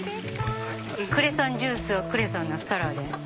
クレソンジュースをクレソンのストローで。